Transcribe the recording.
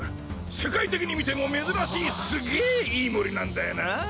世界的に見ても珍しいすげぇいい森なんだよなぁ。